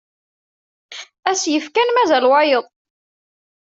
Ass yefkan mazal wayeḍ.